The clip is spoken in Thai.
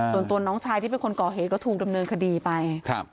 ส่วนตัวน้องชายที่เป็นคนก่อเหตุก็ถูกดำเนินคดีไป